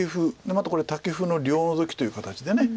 またこれタケフの両ノゾキという形で。